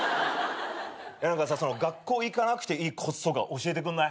何かさ学校行かなくていいコツとか教えてくんない？